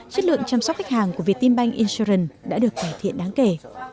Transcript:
chất lượng chăm sóc khách hàng của việt tim bank insurance đã được cải thiện đáng kể